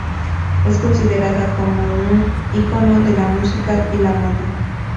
Es considerada como un icono de la música y la moda.